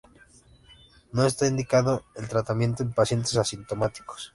No está indicado el tratamiento en pacientes asintomáticos.